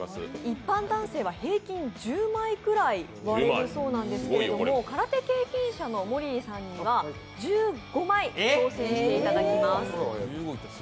一般男性は平均１０枚くらい割れるそうなんですけど空手経験者のモリリさんには１５枚挑戦していただきます。